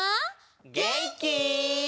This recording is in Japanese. げんき？